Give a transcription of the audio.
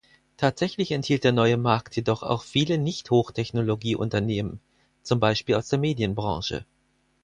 Tatsächlich enthielt der Neue Markt jedoch auch viele Nicht-Hochtechnologie-Unternehmen, zum Beispiel aus der Medienbranche.